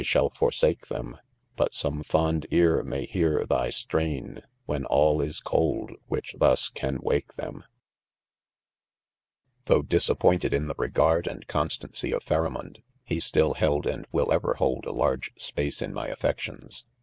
shall forsake them4» But some fond ear may hear thy strain When all is cold which thus can wake them* THE CONFESSIONS. 183 € Thimgh disappointed in the regard and constancy of Pharamond, he still held and will ever, hold a large space in my affections.